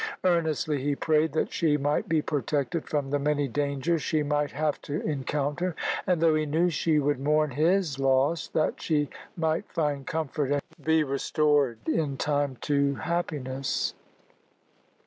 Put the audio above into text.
Earnestly he prayed that she might be protected from the many dangers she might have to encounter, and though he knew she would mourn his loss, that she might find comfort and he restored in time to happiness.